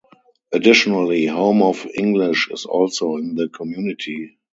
Additionally Home of English is also in the community.